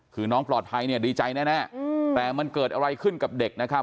คือน้องปลอดภัยเนี่ยดีใจแน่แต่มันเกิดอะไรขึ้นกับเด็กนะครับ